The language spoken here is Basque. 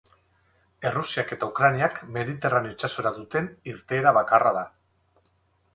Errusiak eta Ukrainak Mediterraneo itsasora duten irteera bakarra da.